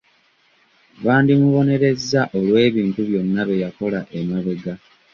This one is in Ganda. Bandimubonerezza olw'ebintu byonna bye yakola emabega.